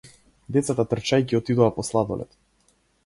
Децата трчајќи отидоа по сладолед.